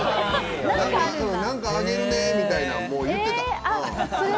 何かあげるなみたいなの言ってて。